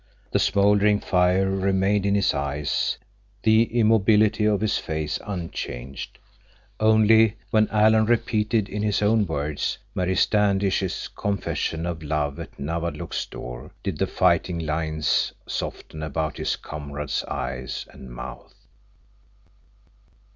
The smoldering fire remained in his eyes, the immobility of his face unchanged. Only when Alan repeated, in his own words, Mary Standish's confession of love at Nawadlook's door did the fighting lines soften about his comrade's eyes and mouth.